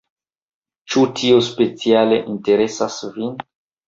Ĉu tio speciale interesas vin?